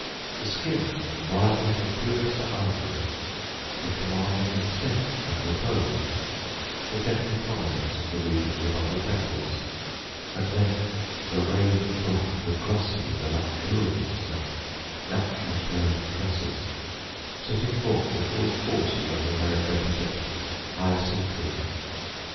the skin rivaling the purest ivory, the commanding extent and repose, the gentle prominence of the regions above the temples; and then the raven black, the glossy, the luxuriant, and naturally curling tresses, setting forth the full force of the Homeric epithet, "hyacinthine!"